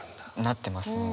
なってますね。